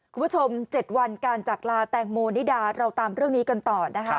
คุณผู้ชม๗วันการจากลาแตงโมนิดาเราตามเรื่องนี้กันต่อนะคะ